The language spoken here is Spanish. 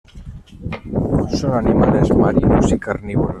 Son animales marinos y carnívoros.